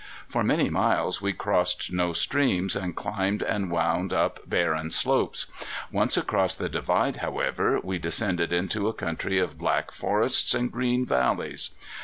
For many miles we crossed no streams, and climbed and wound up barren slopes. Once across the divide, however, we descended into a country of black forests and green valleys.